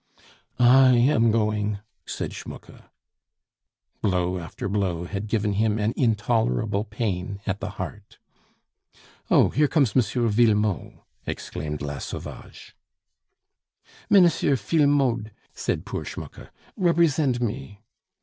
"I am going," said Schmucke. Blow after blow had given him an intolerable pain at the heart. "Oh! here comes M. Villemot!" exclaimed La Sauvage. "Mennesir Fillemod," said poor Schmucke, "rebresent me."